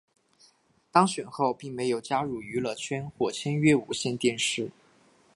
当选后并没有加入娱乐圈或签约无线电视。